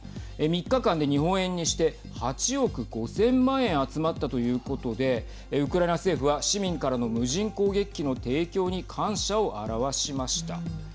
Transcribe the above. ３日間で日本円にして８億５０００万円集まったということでウクライナ政府は市民からの無人攻撃機の提供に感謝を表しました。